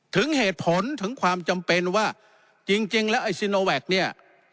ถึงเหตุผลถึงความจำเป็นว่าจริงแล้วไอ้ซีโนแวคเนี่ย